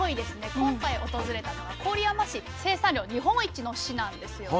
今回訪れたのは郡山市生産量日本一の市なんですよね。